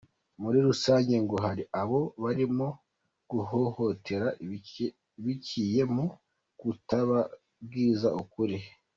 Muri rusange ngo hari abo barimo guhohotera biciye mu kutababwiza ukuri.